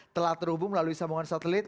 telah terhubung melalui sambungan satelit